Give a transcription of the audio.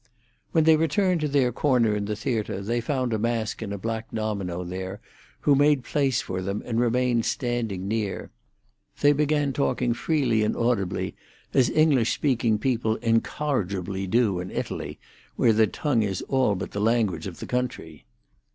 When they returned to their corner in the theatre they found a mask in a black domino there, who made place for them, and remained standing near. They began talking freely and audibly, as English speaking people incorrigibly do in Italy, where their tongue is all but the language of the country.